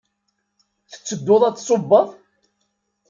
Tettedduḍ ad d-tṣubbeḍ?